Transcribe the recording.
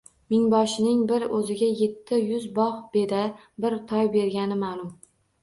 Mingboshining bir o‘ziga yetti yuz bog‘ beda, bir toy bergani ma’lum